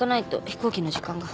飛行機の時間が。